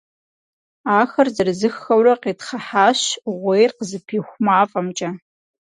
Ахэр зырызыххэурэ къитхъыхьащ Iугъуейр къызыпиху мафIэмкIэ.